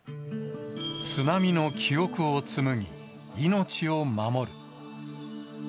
津波の記憶をつむぎ、命を守る。